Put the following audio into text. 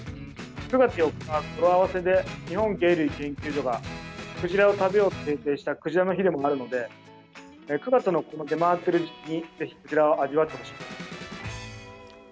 ９月４日は語呂合わせで日本鯨類研究所がクジラを食べようと制定したくじらの日でもあるので９月のこの出回っている時期にぜひ、クジラを味わってほしいです。